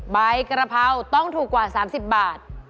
ใบกระเพราต้องถูกกว่า๓๐บาท